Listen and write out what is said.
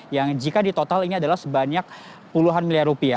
yang jika ditotal ini adalah sebanyak puluhan miliar rupiah